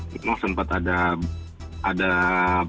memang sempat ada kendala di server tapi tidak lama kemudian sudah online lagi